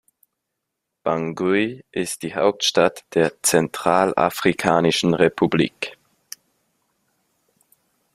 Bangui ist die Hauptstadt der Zentralafrikanischen Republik.